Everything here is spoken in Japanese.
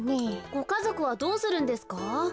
ごかぞくはどうするんですか？